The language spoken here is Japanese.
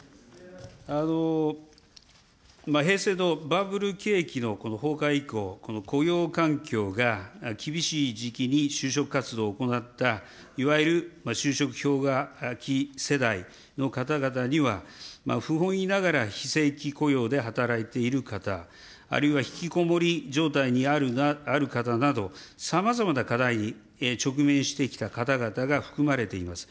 平成のバブル景気のこの崩壊以降、雇用環境が厳しい時期に就職活動を行った、いわゆる就職氷河期世代の方々には、不本意ながら非正規雇用で働いている方、あるいは引きこもり状態にある方など、さまざまな課題に直面してきた方々が含まれています。